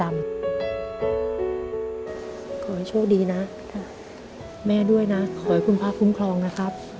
ขอให้โชคดีนะแม่ด้วยนะขอให้คุณพระคุ้มครองนะครับ